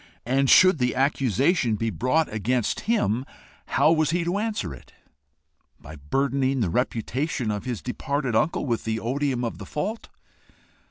And should the accusation be brought against him, how was he to answer it? By burdening the reputation of his departed uncle with the odium of the fault?